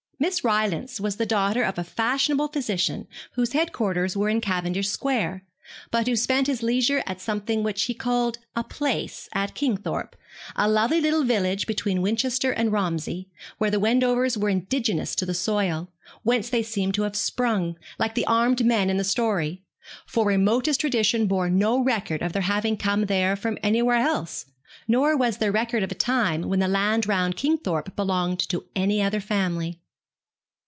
Miss Rylance was the daughter of a fashionable physician, whose head quarters were in Cavendish Square, but who spent his leisure at a something which he called 'a place' at Kingthorpe, a lovely little village between Winchester and Romsey, where the Wendovers were indigenous to the soil, whence they seemed to have sprung, like the armed men in the story; for remotest tradition bore no record of their having come there from anywhere else, nor was there record of a time when the land round Kingthorpe belonged to any other family.